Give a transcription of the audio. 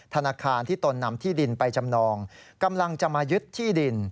ธนาคารที่ตนนำที่ดินไปจำนองกำลังจะมายึดที่ดิน